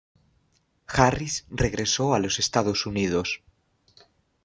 Harris regresó a los Estados Unidos.